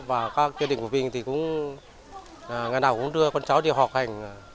và các gia đình của vinh thì cũng ngày nào cũng đưa con cháu đi học hành